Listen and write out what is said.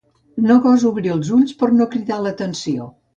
No gosa obrir els llums per no cridar l'atenció.